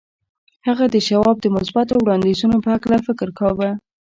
هغه د شواب د مثبتو وړاندیزونو په هکله فکر کاوه